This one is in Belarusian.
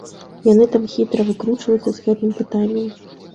Яны там хітра выкручваюцца з гэтым пытаннем.